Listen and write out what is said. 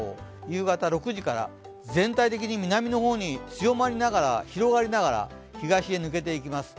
夕方６時から、全体的に南の方に強まりながら、広がりながら東へ抜けていきます。